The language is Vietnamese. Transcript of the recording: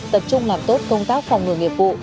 tập trung làm tốt công tác phòng ngừa nghiệp vụ